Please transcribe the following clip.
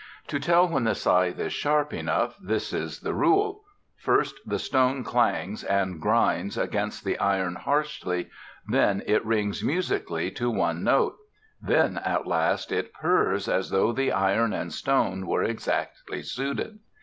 To tell when the scythe is sharp enough this is the rule. First the stone clangs and grinds against the iron harshly; then it rings musically to one note; then, at last, it purrs as though the iron and stone were exactly suited.